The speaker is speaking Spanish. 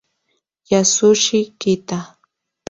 Yasushi Kita